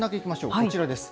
こちらです。